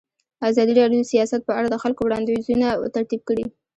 ازادي راډیو د سیاست په اړه د خلکو وړاندیزونه ترتیب کړي.